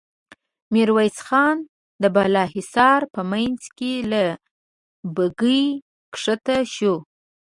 ميرويس خان د بالا حصار په مينځ کې له بګۍ کښته شو.